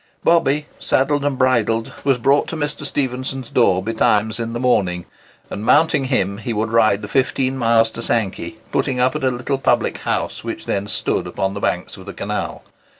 "Bobby," saddled and bridled, was brought to Mr. Stephenson's door betimes in the morning; and mounting him, he would ride the fifteen miles to Sankey, putting up at a little public house which then stood upon the banks of the canal.